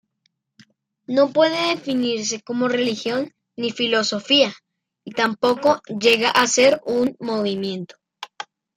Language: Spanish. No puede definirse como religión ni filosofía, y tampoco llega a ser un movimiento.